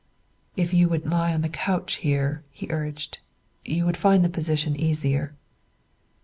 "If you would lie on the couch here," he urged, "you would find the position easier."